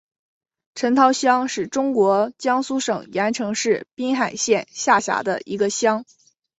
陈涛乡是中国江苏省盐城市滨海县下辖的一个乡。